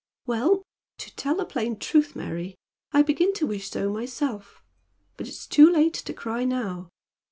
"Well, to tell the plain truth, Mary, I begin to wish so myself. But it is too late to cry now.